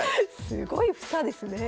すごい房ですね。